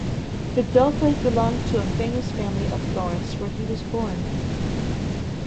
Ridolfi belonged to a famous family of Florence, where he was born.